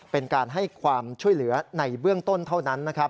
เป็นการให้ความช่วยเหลือในเบื้องต้นเท่านั้นนะครับ